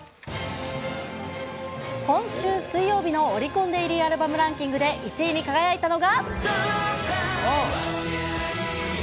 今週水曜日のオリコンデイリーアルバムランキングで１位に輝いたのが。